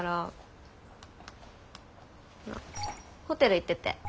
ホテル行ってて。